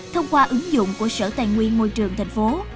thông qua ứng dụng của sở tài nguyên môi trường thành phố